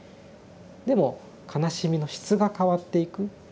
でも悲しみの質が変わっていく。